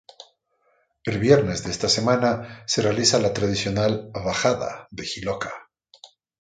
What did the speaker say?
El viernes de esta semana se realiza la tradicional “bajada" del Jiloca.